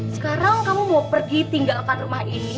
sekarang kamu mau pergi tinggalkan rumah ini